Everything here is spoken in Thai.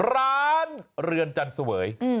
ร้านเรือนจันเสวย